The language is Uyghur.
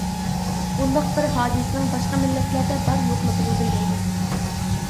بۇنداق بىر ھادىسىنىڭ باشقا مىللەتلەردە بار-يوقلۇقىنى بىلمەيمەن.